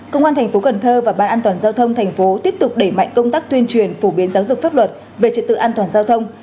công an thành phố cần thơ và ban an toàn giao thông thành phố tiếp tục đẩy mạnh công tác tuyên truyền phổ biến giáo dục pháp luật về trật tự an toàn giao thông